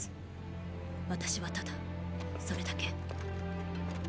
私はただそれだけ。